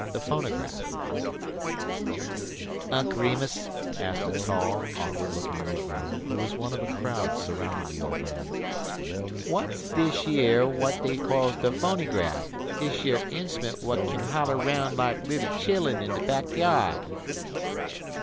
THE PHONOGRAPH "UNC REMUS," asked a tall, awkward looking negro, who was one of a crowd surrounding the old man, "w'at's dish 'ere w'at dey calls de fonygraf dish yer inst'ument w'at kin holler 'roun' like little chillun in de back yard?"